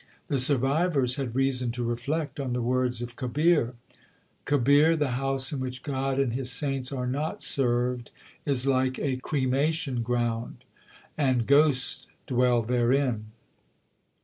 The survivors had reason to reflect on the words of Kabir : Kabir, the house in which God and His saints are not served, Is like a cremation ground and ghosts dwell therein.